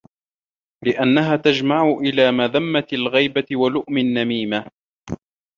لِأَنَّهَا تَجْمَعُ إلَى مَذَمَّةِ الْغِيبَةِ وَلُؤْمِ النَّمِيمَةِ